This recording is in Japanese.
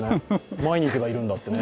前に行けばいるんだってね。